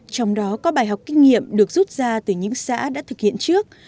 trong đó có bài học kinh nghiệm được rút ra từ những xã đã thực hiện trước